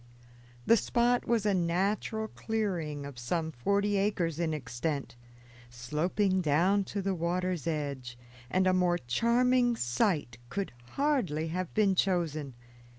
The spot was a natural clearing of some forty acres in extent, sloping down to the water's edge, and a more charming site could hardly have been chosen.